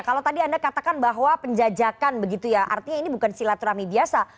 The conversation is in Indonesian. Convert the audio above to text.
kalau tadi anda katakan bahwa penjajakan begitu ya artinya ini bukan silaturahmi biasa